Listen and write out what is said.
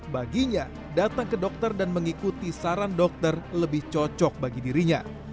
baginya datang ke dokter dan mengikuti saran dokter lebih cocok bagi dirinya